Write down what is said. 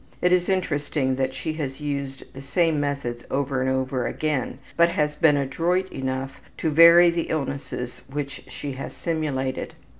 It is interesting that she has used the same methods over and over again, but has been adroit enough to vary the illnesses which she has simulated.